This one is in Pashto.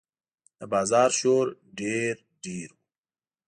د بازار شور ډېر ډېر و.